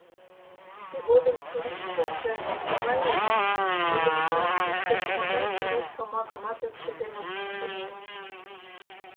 Тыгодым чурий сынже тугай ыле, ойлымыжлан пуйто нимогай тореш шомакымат чытен ок сеҥе.